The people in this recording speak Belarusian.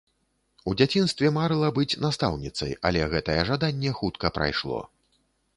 У дзяцінстве марыла быць настаўніцай, але гэтае жаданне хутка прайшло.